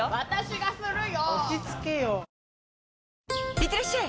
いってらっしゃい！